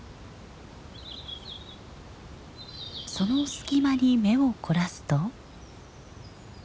その隙間に目を凝らすと。